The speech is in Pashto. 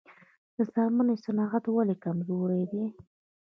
د څرمنې صنعت ولې کمزوری دی؟